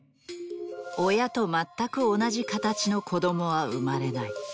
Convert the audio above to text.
親と全く同じ形の子供は生まれない。